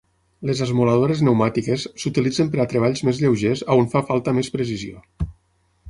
Les esmoladores pneumàtiques s'utilitzen per a treballs més lleugers on fa falta més precisió.